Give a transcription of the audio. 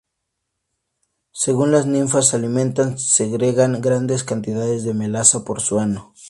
Según las ninfas se alimentan, segregan grandes cantidades de melaza por su ano.